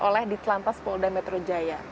oleh di telantas polda metro jaya